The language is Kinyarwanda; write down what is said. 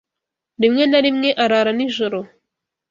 Rimwe na rimwe arara nijoro.